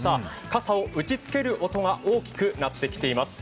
傘を打ちつける音が大きくなってきています。